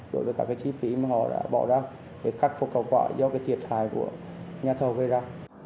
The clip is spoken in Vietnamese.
đối với các cái chi phí mà họ đã bỏ ra để khắc phục hậu quả do cái thiệt hại của nhà thông gây ra